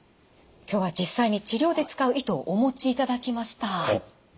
今日は実際に治療で使う糸をお持ちいただきました。